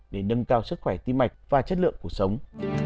để nâng cao sức khỏe tim mạch và chất lượng cuộc sống